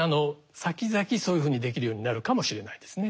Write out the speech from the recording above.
先々そういうふうにできるようになるかもしれないですね。